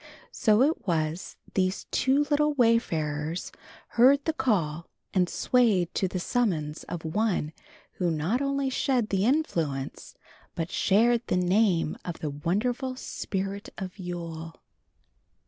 So it was these two little wayfarers heard the call and swayed to the summons of one who not only shed the influence, but shared the name of the wonderful Spirit of Yule.